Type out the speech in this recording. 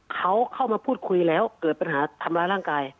เขาเข้ามาพูดคุยแล้วเกิดปัญหาทำร้ายร่างกาย